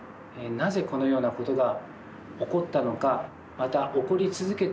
なぜこのようなことが起こったのかまた起こり続けているのかという。